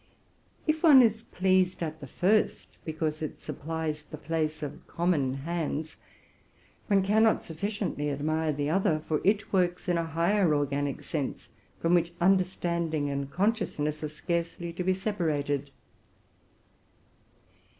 If one is pleased at the first because it supplies the place of common hands, one cannot sufticiently admire the other; for it works in a higher organic sense, from which understanding and consciousness are scarcely to be separated.